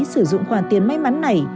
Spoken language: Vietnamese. sử dụng khoản tiền may mắn này